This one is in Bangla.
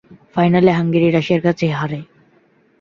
ফাইনালে হাঙ্গেরি রাশিয়ার কাছে হারে।